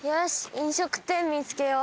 飲食店見つけよう！